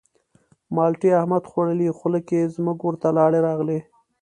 مالټې احمد خوړلې خوله کې زموږ ورته لاړې راغلې.